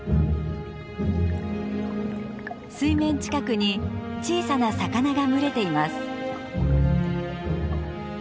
水面近くに小さな魚が群れています。